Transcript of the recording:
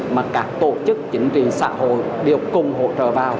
mà các tổ chức chính trị xã hội đều cùng hỗ trợ vào